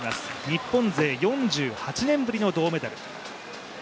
日本勢４８年ぶりの銅メダル。